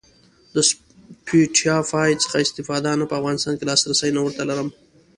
د سپوټیفای څخه استفاده؟ نه په افغانستان کی لاسرسی نه ور ته لرم